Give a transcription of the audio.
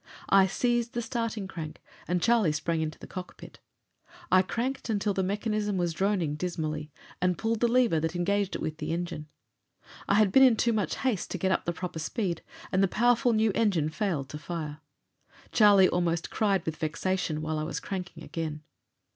I seized the starting crank and Charlie sprang into the cockpit. I cranked until the mechanism was droning dismally, and pulled the lever that engaged it with the engine. I had been in too much haste to get up the proper speed, and the powerful new engine failed to fire. Charlie almost cried with vexation while I was cranking again.